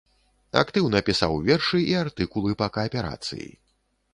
Актыўна пісаў вершы і артыкулы па кааперацыі.